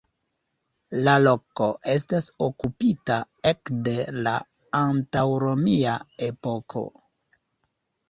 La loko estas okupita ekde la antaŭromia epoko.